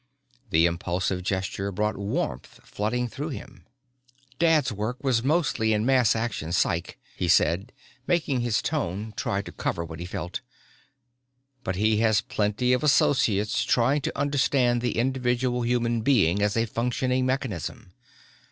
The impulsive gesture brought warmth flooding through him. "Dad's work was mostly in mass action psych," he said, making his tone try to cover what he felt, "but he has plenty of associates trying to understand the individual human being as a functioning mechanism.